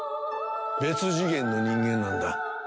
別次元の人間なんだ。